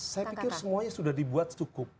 saya pikir semuanya sudah dibuat cukup